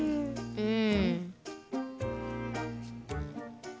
うん。